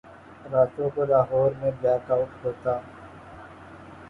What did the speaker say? راتوں کو لاہور میں بلیک آؤٹ ہوتا۔